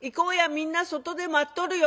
みんな外で待っとるよ」。